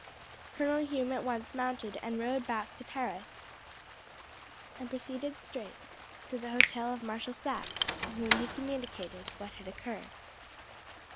Colonel Hume at once mounted and rode back to Paris and proceeded straight to the hotel of Marshal Saxe, to whom he communicated what had occurred.